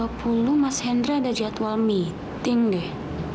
tanggal dua puluh mas hendra ada jadwal meeting deh